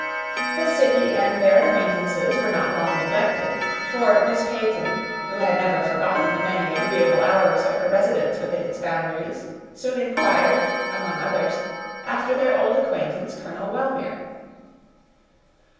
The city and their acquaintances were not long neglected; for Miss Peyton, who had never forgotten the many agreeable hours of her residence within its boundaries, soon inquired, among others, after their old acquaintance, Colonel Wellmere.